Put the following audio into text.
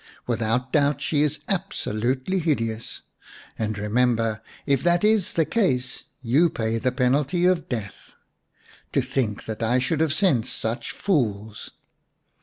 Without doubt she is absolutely hideous ; and remember, if that is the case, you pay the penalty of death. To think that I should have sent such fools